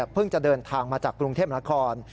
เพิ่งจะเดินทางมาจากกรุงเทพราคร